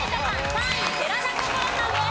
３位寺田心さんです。